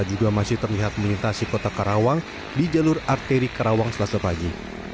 juga masih terlihat melintasi kota karawang di jalur arteri karawang selasa pagi